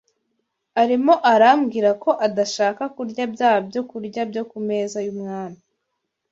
Arimo aramubwira ko adashaka kurya bya byokurya byo ku meza y’umwami